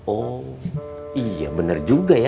oh iya benar juga ya